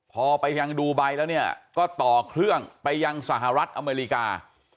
พอไปยังดูไบแล้วเนี่ยก็ต่อเครื่องไปยังสหรัฐอเมริกา